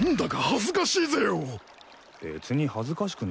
恥ずかしいぜよ！